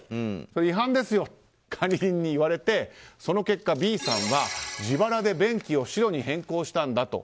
違反ですよと管理人に言われてその結果、Ｂさんは自腹で便器を白に変更したんだと。